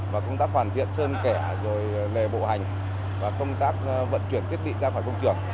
và công tác hoàn thiện sơn kẻ rồi lề bộ hành và công tác vận chuyển thiết bị ra khỏi công trường